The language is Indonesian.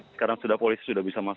sekarang sudah polisi sudah bisa masuk